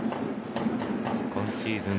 今シーズン